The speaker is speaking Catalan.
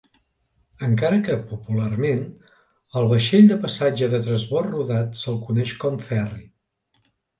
Encara que popularment al vaixell de passatge de transbord rodat se'l coneix com ferri.